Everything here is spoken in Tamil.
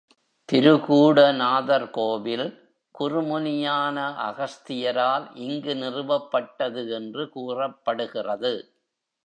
திருகூட நாதர் கோவில் குறுமுனியான அகஸ்தியரால் இங்கு நிறுவப்பட்டது என்று கூறப்படுகிறது.